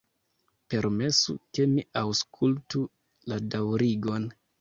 Permesu, ke mi aŭskultu la daŭrigon.